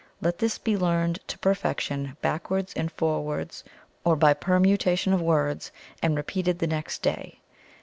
Let this be learned to perfection, backwards and forwards, or by permutation of words, and repeated the next day.